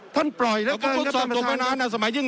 ท่านปล่อยแบบนี้ครับท่านประธาน